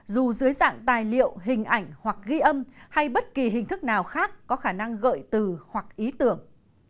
dù dưới dạng tài liệu hình ảnh hoặc ghi âm hay bất kỳ hình thức nào khác có khả năng gợi từ hoặc ý tưởng